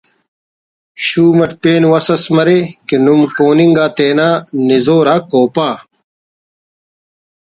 شوم it pain وس اس مرے کہ نم کون انگا تے تینا نزور آ کوپہ